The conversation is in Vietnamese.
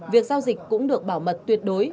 việc giao dịch cũng được bảo mật tuyệt đối